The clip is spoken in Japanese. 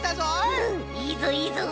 うんいいぞいいぞ。